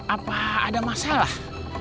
apa ada masalah